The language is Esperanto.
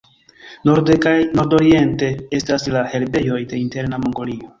Norde kaj nordoriente estas la herbejoj de Interna Mongolio.